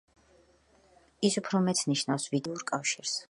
ის უფრო მეტს ნიშნავს ვიდრე უბრალოდ გენეალოგიურ კავშირს.